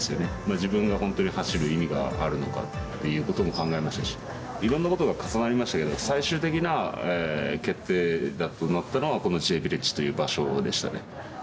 自分が本当に走る意味があるのかってことも考えましたし、いろんなことが重なりましたけど、最終的な決定打となったのは、このＪヴィレッジという場所でしたね。